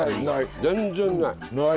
全然ない。